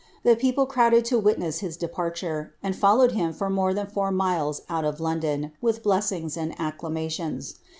The people crowded to witness his departure, and followed him for more than four miles out of London, with blessings and acclamations.